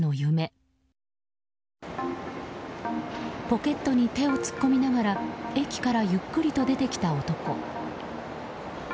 ポケットに手を突っ込みながら駅からゆっくりと出てきた男。